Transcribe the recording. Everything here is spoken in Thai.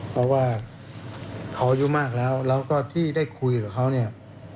เพราะว่าเขาอายุมากแล้วแล้วก็ที่ได้คุยกับเขาเนี่ย